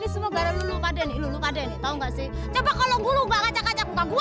sampai jumpa di video selanjutnya